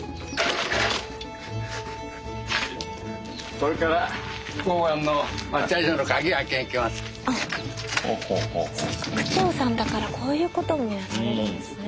そっか区長さんだからこういうこともやられるんですね。